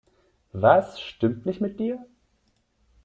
Was stimmt nicht mit dir?